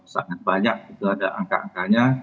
sangat banyak itu ada angka angkanya